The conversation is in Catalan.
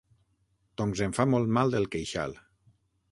Doncs em fa molt mal el queixal.